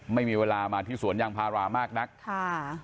ไม่มีเวลามาที่สวนยางพารามากนักค่ะ